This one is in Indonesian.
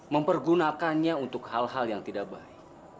mempergunakannya untuk hal hal yang tidak baik